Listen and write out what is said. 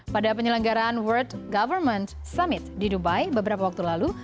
pada penyelenggaraan world government summit di dubai beberapa waktu lalu